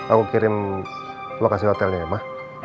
aku kirim lokasi hotelnya ma